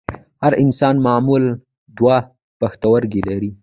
هر انسان معمولاً دوه پښتورګي لري